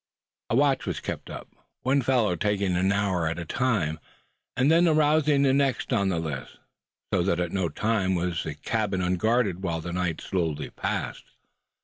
A watch was kept up, one fellow taking an hour at a time, and then arousing the next on the list; so that at no time was the cabin unguarded while the night slowly passed.